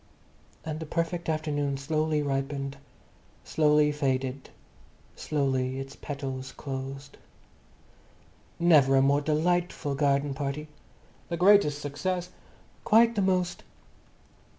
And the perfect afternoon slowly ripened, slowly faded, slowly its petals closed. "Never a more delightful garden party...." "The greatest success...." "Quite the most...."